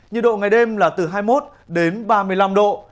nhiệt độ ngày đêm là từ hai mươi một đến ba mươi năm độ